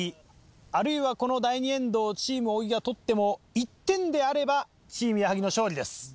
あるいはこの第２エンドをチーム小木が取っても１点であればチーム矢作の勝利です。